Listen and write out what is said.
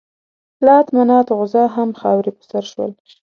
لات، منات، عزا همه خاورې په سر شول.